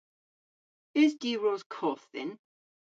Eus diwros koth dhyn?